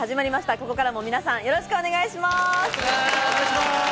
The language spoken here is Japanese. ここからも皆さんよろしくお願いします。